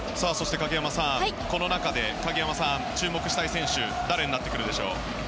影山さん、この中で影山さんが注目したい選手は誰になってくるでしょう？